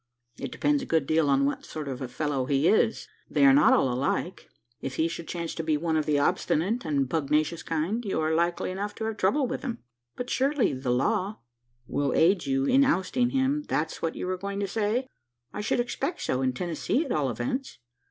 "It depends a good deal on what sort of a fellow he is. They are not all alike. If he should chance to be one of the obstinate and pugnacious kind, you are likely enough to have trouble with him." "But surely the law " "Will aid you in ousting him that's what you were going to say?" "I should expect so in Tennessee, at all events."